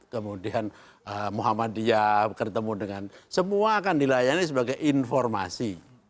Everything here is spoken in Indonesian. kemudian muhammadiyah ketemu dengan semua akan dilayani sebagai informasi